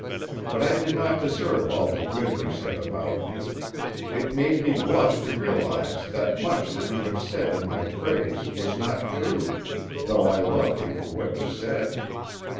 But I did not deserve all the good you said about me; it made me blush to realize that much that you have said in my praise was not true, though I loved you for what you said.